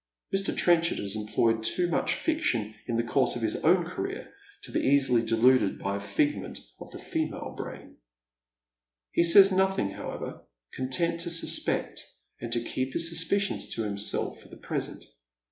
Mr. Trenchard has employed too much fiction in the course of his own career to be easily deluded by a figment of the female brain. He says nothing, however, content to suspect, and to keep his Buspicions to himself for the present.